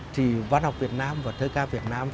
thì văn học việt nam và thơ ca việt nam